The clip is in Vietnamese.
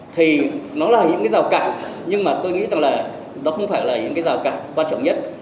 thì nó là những cái rào cản nhưng mà tôi nghĩ rằng là nó không phải là những cái rào cản quan trọng nhất